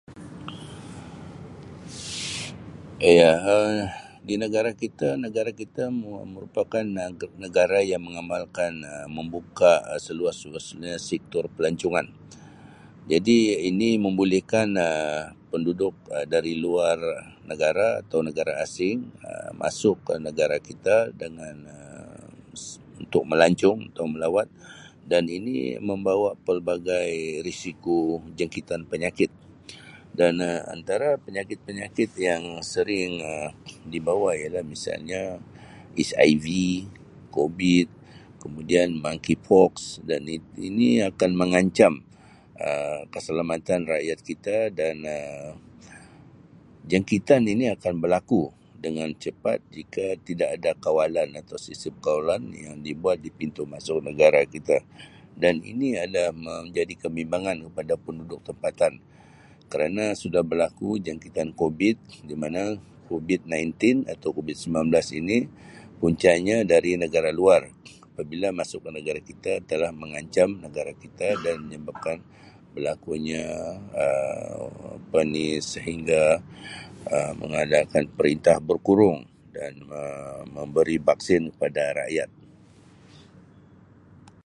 Iya Um di negara kita negara kita merupakan negara yang mengamalkan Um membuka Um seluas-luas nya sektor pelancongan jadi ini mebolehkan Um penduduk dari luar negara atau negara asing Um masuk ke negara kita dengan Um untuk melancong atau melawat dan ini membawa pelbagai risiko jangkitan penyakit dan Um antara penyakit-penyakit yang sering Um dibawa ialah misalnya HIV, Covid kemudian Monkey Fox dan in -ini akan mengancam Um keselamatan rakyat kita dan Um jangkitan ini akan berlaku dengan cepat jika tidak ada kawalan atau sistem kawalan yang dibuat di pintu masuk negara kita dan ini ada men-menjadi kebimbangan kepada penduduk tempatan kerana sudah berlaku jangkitan Covid di mana Covid nineteen atau Covid sembilan belas ini puncanya dari negara luar apabila masuk ke negara kita telah mengancam negara kita dan menyebabkan berlakunya Um [unintelligible] sehingga Um mengadakan perintah berkurung dan Um memberi vaksin pada rakyat.